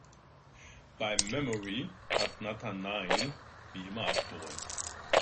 Beim Memory hat Nathanael wie immer abgeräumt.